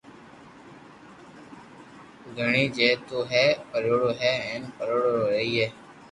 گڻي مي تو ھي ڀريوڙو ھو ھين ڀريوڙو رھئي